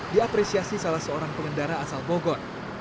diapresiasi salah seorang pengendara asal bogor